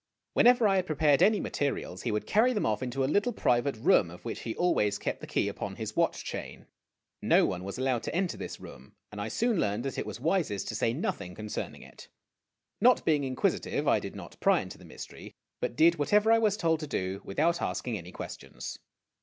Whenever I had prepared any materials, he would carry them off into a little private room of which he always kept the key upon his watch chain. No one was allowed to enter this room, and I soon learned that it was wisest to say nothing concern ing it. Not being inquisitive, I did not pry into the mystery, but did whatever I was told to do, without asking any questions.